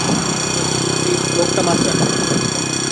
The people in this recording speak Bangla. লোকটা মাত্র এক ফুট দূরে ছিল।